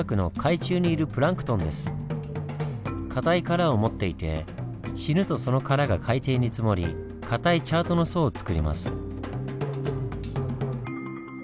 硬い殻を持っていて死ぬとその殻が海底に積もり硬いチャートの層をつくります。